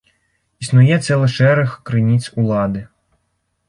Існуе цэлы шэраг крыніц улады.